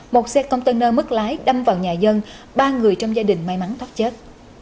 một xe container mất lái đâm vào nhà dân ba người trong gia đình may mắn thoát chết